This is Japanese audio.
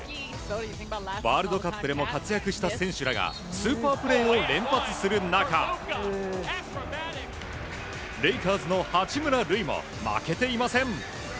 ワールドカップでも活躍した選手らがスーパープレーを連発する中レイカーズの八村塁も負けていません。